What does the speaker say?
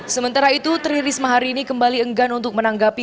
sementara itu tri risma hari ini kembali enggan untuk menanggapi